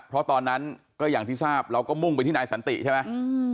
เพราะตอนนั้นก็อย่างที่ทราบเราก็มุ่งไปที่นายสันติใช่ไหม